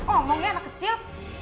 oh mau ya anak kecil